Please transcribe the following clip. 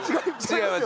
違います。